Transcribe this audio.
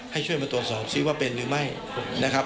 ให้ช่วยมาตรวจสอบซิว่าเป็นหรือไม่นะครับ